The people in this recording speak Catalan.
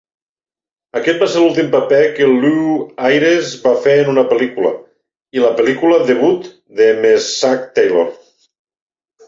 Aquest va ser l'últim paper que Lew Ayres va fer en una pel·lícula i la pel·lícula debut de Meshach Taylor.